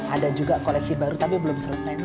ada juga koleksi baru tapi belum selesai